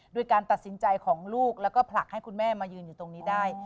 ด้วยการตัดสินใจของลูกแล้วก็ผลักให้คุณแม่มายืนอยู่ตรงนี้ได้